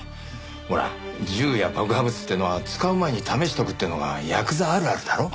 ほら銃や爆破物っていうのは使う前に試しとくってのが「ヤクザあるある」だろ。